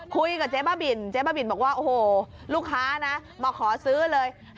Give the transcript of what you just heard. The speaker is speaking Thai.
เจ๊บ้าบินเจ๊บ้าบินบอกว่าโอ้โหลูกค้านะมาขอซื้อเลย